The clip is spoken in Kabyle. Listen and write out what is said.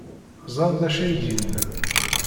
Ẓran d acu ay d-yenna?